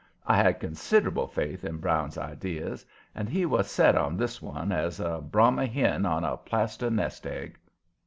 I had considerable faith in Brown's ideas, and he was as set on this one as a Brahma hen on a plaster nest egg.